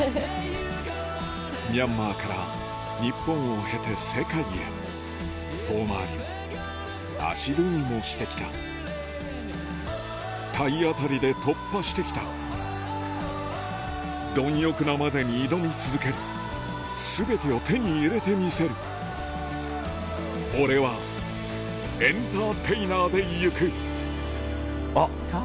ミャンマーから日本を経て世界へ遠回りも足踏みもしてきた体当たりで突破してきた貪欲なまでに挑み続ける全てを手に入れてみせる俺はエンターテイナーでいくあっ